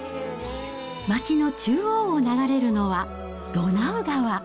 街の中央を流れるのはドナウ川。